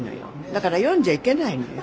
だから読んじゃいけないのよ。